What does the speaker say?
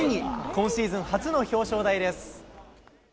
今シーズン初の表彰台です。